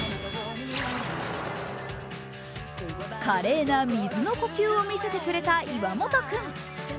華麗な水の呼吸を見せてくれた岩本君。